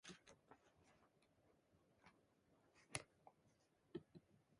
Coast Guard, tasked with law enforcement on Peruvian territorial waters, rivers and lakes.